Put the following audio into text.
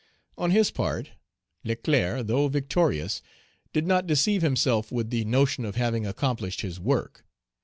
On his part, Leclerc, though victorious, did not deceive himself with the notion of having accomplished his work.